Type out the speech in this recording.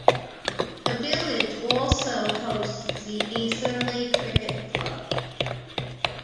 The village also hosts the Etherley Cricket Club.